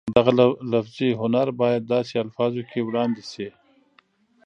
دغه لفظي هنر باید داسې الفاظو کې وړاندې شي